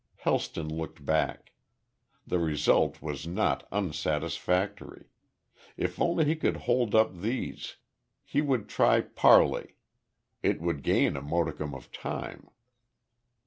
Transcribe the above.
Helston looked back. The result was not unsatisfactory. If only he could hold up these. He would try parley. It would gain a modicum of time.